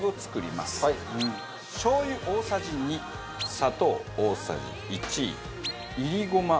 しょう油大さじ２砂糖大さじ１いりごま。